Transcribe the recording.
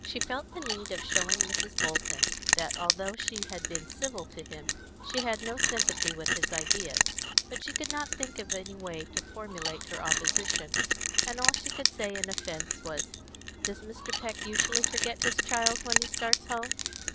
She felt the need of showing Mrs. Bolton that, although she had been civil to him, she had no sympathy with his ideas; but she could not think of any way to formulate her opposition, and all she could say in offence was, "Does Mr. Peck usually forget his child when he starts home?"